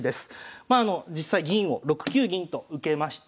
実際銀を６九銀と受けまして。